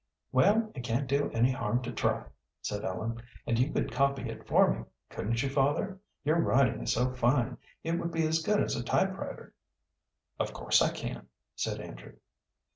"Well, it can't do any harm to try," said Ellen, "and you could copy it for me, couldn't you, father? Your writing is so fine, it would be as good as a typewriter." "Of course I can," said Andrew.